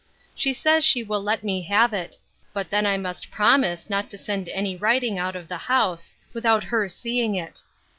She says she will let me have it; but then I must promise not to send any writing out of the house, without her seeing it.